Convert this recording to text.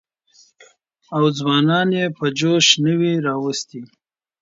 او ځوانان يې په جوش نه وى راوستي.